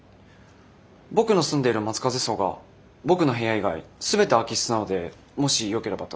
僕の住んでいる松風荘が僕の部屋以外全て空き室なのでもしよければと。